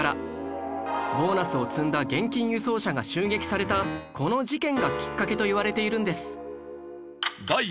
ボーナスを積んだ現金輸送車が襲撃されたこの事件がきっかけといわれているんです